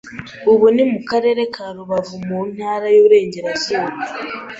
ubu ni mu karere ka Rubavu mu Ntara y’Uburengerazuba